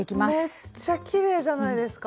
めっちゃきれいじゃないですか？